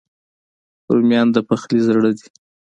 رومیان د پخلي زړه دي